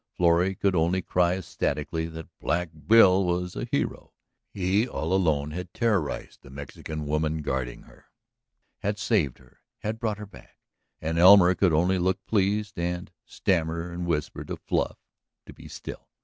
Florrie could only cry ecstatically that Black Bill was a hero! He, all alone, had terrorized the Mexican woman guarding her, had saved her, had brought her back. And Elmer could only look pleased and stammer and whisper to Fluff to be still.